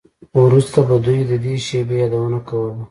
وروسته به دوی د دې شیبې یادونه کوله